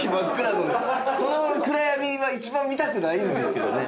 その暗闇は一番見たくないんですけどね。